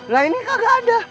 lah ini kagak ada